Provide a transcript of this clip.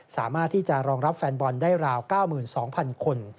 สามารถที่จะรองรับแฟนบอลได้ราว๙๒๐๐คน